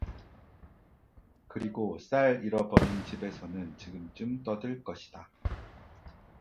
그리고 쌀 잃어버린 집에서는 지금쯤 떠들 것이다.